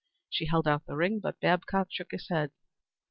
She held out the ring, but Babcock shook his head.